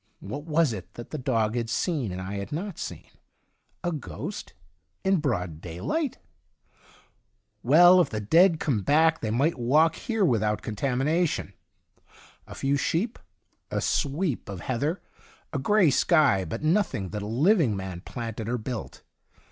What was it that the dog had seen and I had not seen ? A ghost ? In broad daylight ? Well, if the dead come back they might walk here without contami nation. A few sheep, a sweep of heather, a gray sky, but nothing that a living man planted or built.